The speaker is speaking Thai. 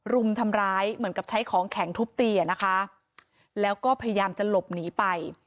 รุมทำร้ายเหมือนกับใช้ของแข็งทุบตีอ่ะนะคะแล้วก็พยายามจะหลบหนีไป